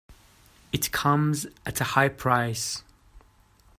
It comes at a high price.